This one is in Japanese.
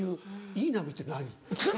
いい波って何？